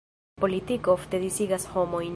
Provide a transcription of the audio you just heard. Politiko ofte disigas homojn.